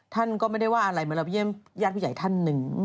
ท่านก็ไม่ได้ว่าอะไรเหมือนเราไปเยี่ยมญาติผู้ใหญ่ท่านหนึ่ง